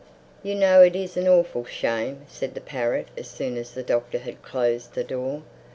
"You know it is an awful shame," said the parrot as soon as the Doctor had closed the door.